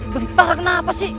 bentar kenapa sih